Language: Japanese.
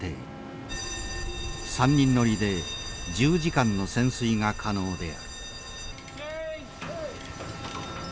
３人乗りで１０時間の潜水が可能である。